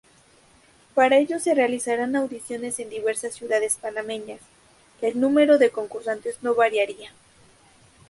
Para ello se realizarán audiciones en diversas ciudades panameñas. El número de concursantes no variaría.